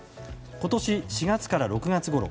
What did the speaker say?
今年４月から６月ごろ